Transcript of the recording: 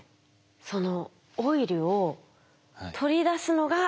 そのオイルを取り出すのが大変。